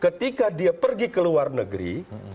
ketika dia pergi ke luar negeri